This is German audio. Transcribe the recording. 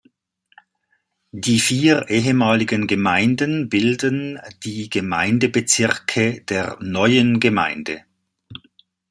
Die vier ehemaligen Gemeinden bilden die Gemeindebezirke der neuen Gemeinde.